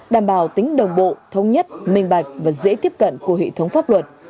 đảm bảo tính đồng bộ thống nhất minh bạch và dễ tiếp cận của hệ thống pháp luật